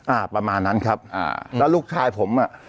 อ่าประมาณนั้นครับอ่าแล้วลูกชายผมอ่ะ